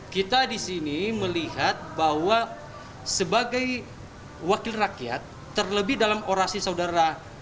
kita di sini melihat bahwa sebagai wakil rakyat terlebih dalam orasi saudara